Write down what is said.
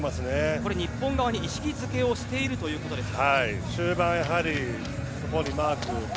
これは日本側に意識付けをしているということですか？